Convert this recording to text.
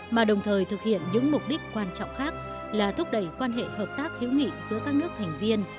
mà đồng thời thực hiện những mục đích quan trọng khác là thúc đẩy quan hệ hợp tác hữu nghị giữa các nước thành viên